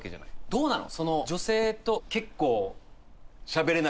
どうなの？